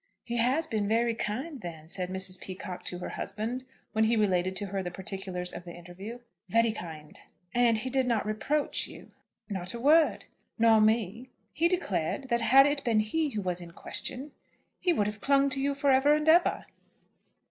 "He has been very kind, then?" said Mrs. Peacocke to her husband when he related to her the particulars of the interview. "Very kind." "And he did not reproach you." "Not a word." "Nor me?" "He declared that had it been he who was in question he would have clung to you for ever and ever."